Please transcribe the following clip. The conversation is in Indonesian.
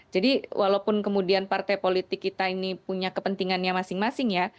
jadi walaupun kemudian partai politik kita ini punya kepentingannya masing masing ya